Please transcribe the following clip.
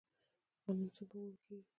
غنم څنګه اوړه کیږي؟